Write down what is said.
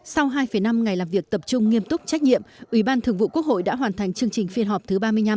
sau hai năm ngày làm việc tập trung nghiêm túc trách nhiệm ủy ban thường vụ quốc hội đã hoàn thành chương trình phiên họp thứ ba mươi năm